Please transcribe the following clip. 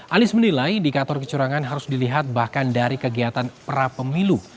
anies menilai indikator kecurangan harus dilihat bahkan dari kegiatan prapemilu